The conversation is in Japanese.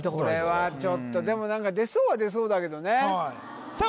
これはちょっとでも何か出そうは出そうだけどねさあ